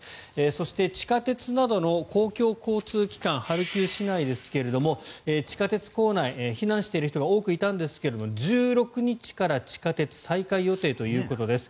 そして地下鉄などの公共交通機関ハルキウ市内ですが地下鉄構内避難している人が多くいたんですが、１６日から地下鉄再開予定ということです。